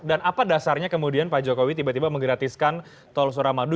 dan apa dasarnya kemudian pak jokowi tiba tiba menggratiskan tol suramadu